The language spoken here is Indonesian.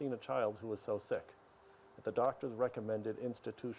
anda adalah seorang profesor anda adalah seorang penulis